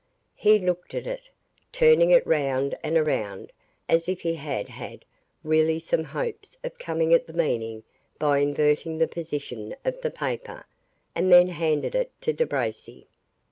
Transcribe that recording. He looked at it, turning it round and round as if he had had really some hopes of coming at the meaning by inverting the position of the paper, and then handed it to De Bracy.